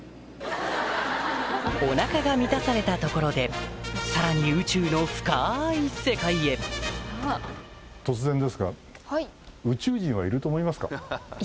お腹が満たされたところでさらに宇宙の深い世界へ突然ですが。